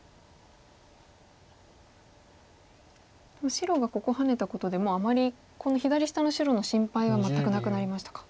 白がここハネたことでもうあまりこの左下の白の心配は全くなくなりましたか。